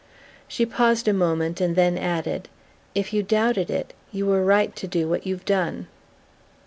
She paused a moment and then added: "If you doubted it, you were right to do what you've done."